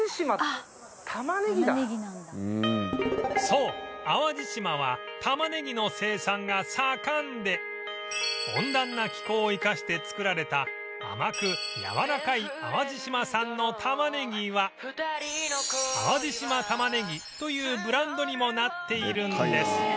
そう淡路島はたまねぎの生産が盛んで温暖な気候を生かして作られた甘くやわらかい淡路島産のたまねぎは淡路島たまねぎというブランドにもなっているんです